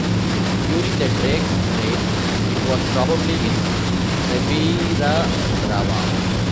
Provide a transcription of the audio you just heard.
During the Drake's raid, it was probably in Ribeira Brava.